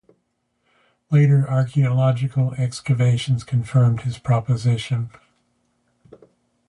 Later archaeological excavations confirmed his proposition.